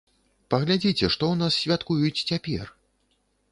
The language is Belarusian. Паглядзіце, што ў нас святкуюць цяпер?